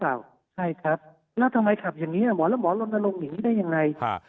แล้วทำไมขับอย่างนี้หมอแล้วหมอลงนั่งลงอยู่ได้ยังไง